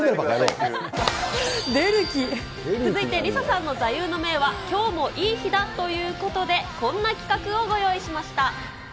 続いてＬｉＳＡさんの座右の銘は、今日もいい日だっ。ということで、こんな企画をご用意しました。